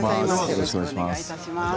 よろしくお願いします。